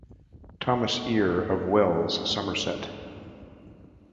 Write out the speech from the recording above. Thomas Eyre, of Wells, Somerset.